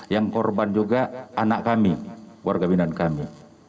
yang korban juga anak kami warga binaan kami